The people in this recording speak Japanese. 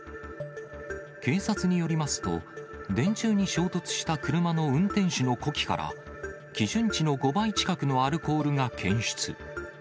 警察によりますと、電柱に衝突した車の運転手の呼気から、基準値の５倍近くのアルコールが検出。